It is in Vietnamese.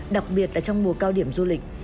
đặc biệt là trong mùa cao điểm du lịch